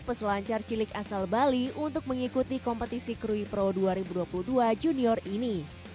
yang mencari pelajaran dari kecilik asal bali untuk mengikuti kompetisi krui pro dua ribu dua puluh dua junior ini